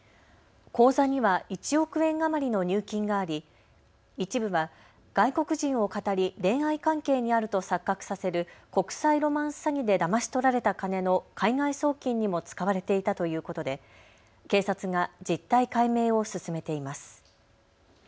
口座には１億円余りの入金があり一部は外国人をかたり恋愛関係にあると錯覚させる国際ロマンス詐欺でだまし取られた金の海外送金にも使われていたということで警察が実態解明を進めています。